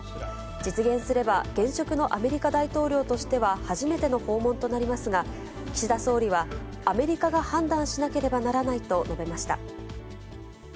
実現すれば現職のアメリカ大統領としては初めての訪問となりますが、岸田総理はアメリカが判断しなければならないと述べました。